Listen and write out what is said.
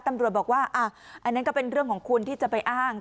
ตำรวจบอกว่าอันนั้นก็เป็นเรื่องของคุณที่จะไปอ้าง